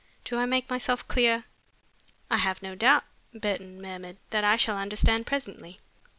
Do I make myself clear? "I have no doubt," Burton murmured, "that I shall understand presently."